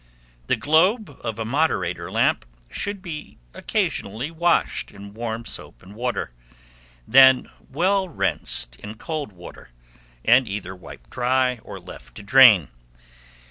The globe of a moderator lamp should be occasionally washed in warm soap and water, then well rinsed in cold water, and either wiped dry or left to drain.